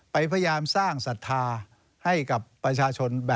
พยายามสร้างศรัทธาให้กับประชาชน